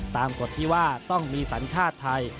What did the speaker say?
กฎที่ว่าต้องมีสัญชาติไทย